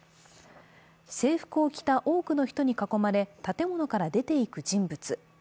制服を着た多くの人に囲まれ、建物から出ていく人物。